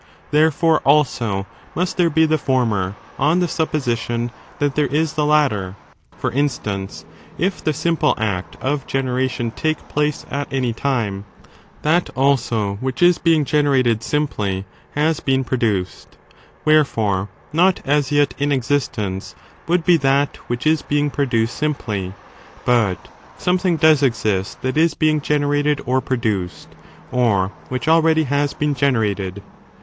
Therefore, or^sion, also, must there be the former on the supposi posean'^mte tion that there is the latter ; for instance, if the JJ^eV;° ""^ simple act of generation take place at any time, that also which is being generated simply has been produced. Wherefore, not as yet in existence would be that which is being produced simply; but something does exist that is being generated or produced, or which already has been generated.